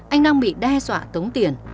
anh đang bị đe dọa tống tiền